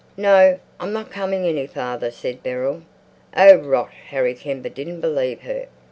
"No, I'm not coming any farther," said Beryl. "Oh, rot!" Harry Kember didn't believe her.